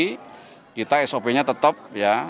jadi kita sop nya tetap ya